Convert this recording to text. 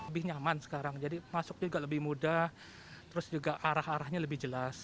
lebih nyaman sekarang jadi masuk juga lebih mudah terus juga arah arahnya lebih jelas